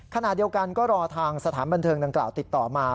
ขณะเดียวกันก็รอทางสถานบันเทิงดังกล่าวติดต่อมา